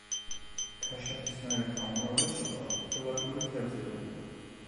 ქაშაყისნაირთა უმრავლესობა პელაგური თევზებია.